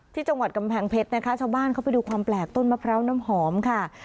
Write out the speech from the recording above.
ที่จังหวัดกำแพงเพชรนะคะชาวบ้านเข้าไปดูความแปลกต้นมะพร้าวน้ำหอมค่ะ